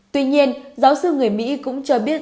tuy nhiên giáo sư người mỹ cũng cho biết